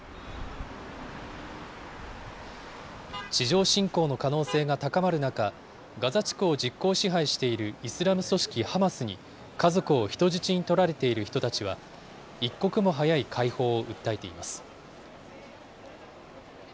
地上侵攻の可能性が高まる中、ガザ地区を実効支配しているイスラム組織ハマスに家族を人質に取られている人たちは、一刻も早い解放を訴えています。